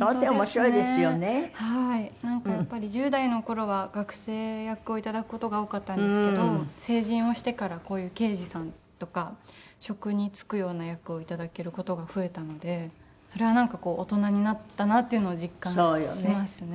やっぱり１０代の頃は学生役を頂く事が多かったんですけど成人をしてからこういう刑事さんとか職に就くような役を頂ける事が増えたのでそれはなんかこう大人になったなっていうのを実感しますね。